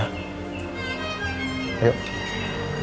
aku nggak peduli